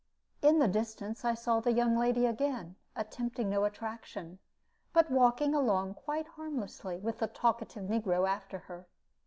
In the distance I saw the young lady again, attempting no attraction, but walking along quite harmlessly, with the talkative negro after her.